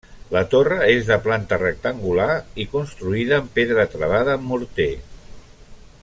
La torre és de planta rectangular i construïda amb pedra travada amb morter.